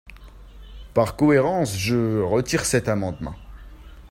Par cohérence, je retire cet amendement.